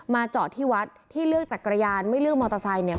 จอดที่วัดที่เลือกจักรยานไม่เลือกมอเตอร์ไซค์เนี่ย